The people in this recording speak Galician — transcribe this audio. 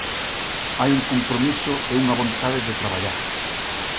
Hai un compromiso e unha vontade de traballar.